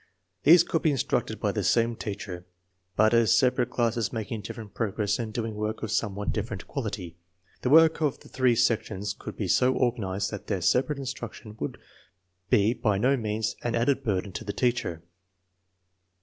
These could be instructed by the same teacher, but as sepa* rate classes making different progress and doing work of somewhat different quality. The work of the three sections could be so organized that their separate instruction would be by no means an added burden to the teacher.